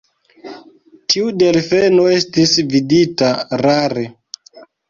Tiu delfeno estis vidita rare.